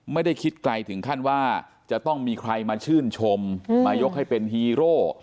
ไม่ได้คิดไกลถึงขั้นว่าจะต้องมีใครมาชื่นชมมายกให้เป็นฮีโร่